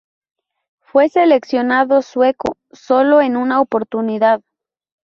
Fue seleccionado sueco solo en una oportunidad.